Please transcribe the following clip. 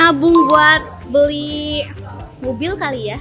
nabung buat beli mobil kali ya